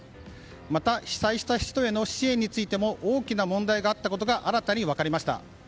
また、被災した人への支援についても大きな問題があったことが新たに分かりました。